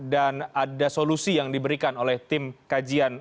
dan ada solusi yang diberikan oleh tim kajian